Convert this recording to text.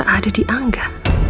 ada di angga